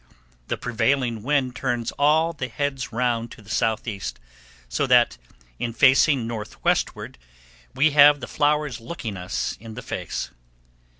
The prevailing wind turns all the heads round to the southeast, so that in facing northwestward we have the flowers looking us in the face.